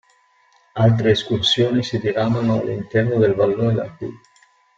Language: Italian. Altre escursioni si diramano all'interno del vallone d'Arpy.